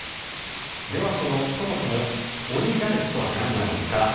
では、そもそもオリガルヒとは何なのか。